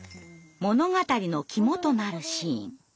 物語の肝となるシーン。